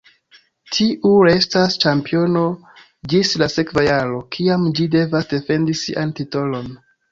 Tiu restas ĉampiono ĝis la sekva jaro, kiam ĝi devas defendi sian titolon.